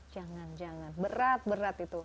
jangan jangan berat berat itu